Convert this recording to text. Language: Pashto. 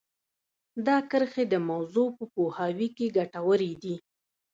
دا کرښې د موضوع په پوهاوي کې ګټورې دي